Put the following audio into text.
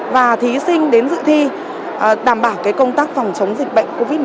và thí sinh đến dự thi đảm bảo công tác phòng chống dịch bệnh covid một mươi chín